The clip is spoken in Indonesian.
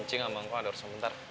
ncing sama aku ada urusan bentar